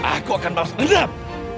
aku akan bahas ngedam